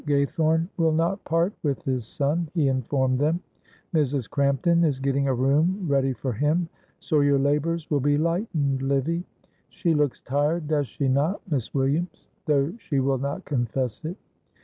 Gaythorne will not part with his son," he informed them. "Mrs. Crampton is getting a room ready for him, so your labours will be lightened, Livy. She looks tired, does she not, Miss Williams? though she will not confess it.